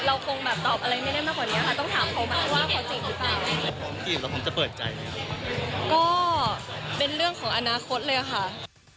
เราคงตอบอะไรไม่ได้มากว่านี้ค่ะต้องถามเขามาว่าเขาจีบหรือเปล่า